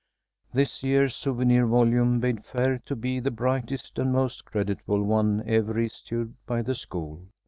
This year's souvenir volume bade fair to be the brightest and most creditable one ever issued by the school.